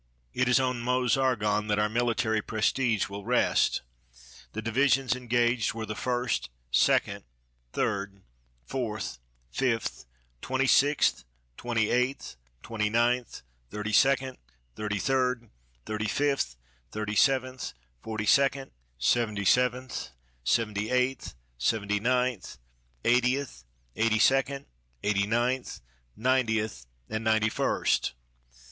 It is on Meuse Argonne that our military prestige will rest. The divisions engaged were the First, Second, Third, Fourth, Fifth, Twenty sixth, Twenty eighth, Twenty ninth, Thirty second, Thirty third, Thirty fifth, Thirty seventh, Forty second, Seventy seventh, Seventy eighth, Seventy ninth, Eightieth, Eighty second, Eighty ninth, Ninetieth, and Ninety first.